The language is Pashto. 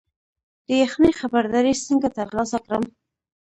د یخنۍ خبرداری څنګه ترلاسه کړم؟